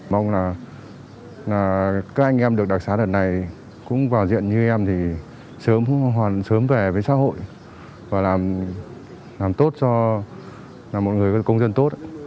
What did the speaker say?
mong là các anh em được đặc sá đợt này cũng vào diện như em thì sớm về với xã hội và làm tốt cho một người công dân tốt